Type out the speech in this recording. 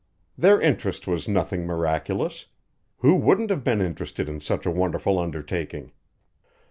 Their interest was nothing miraculous. Who wouldn't have been interested in such a wonderful undertaking?